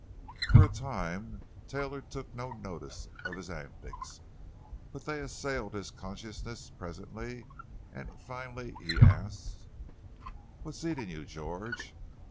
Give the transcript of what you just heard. For a time Taylor took no notice of his antics, but they assailed his consciousness presently, and finally he asked: "What's eating you, George?"